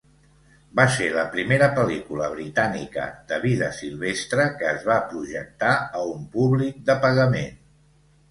Va ser la primera pel·lícula britànica de vida silvestre que es va projectar a un públic de pagament.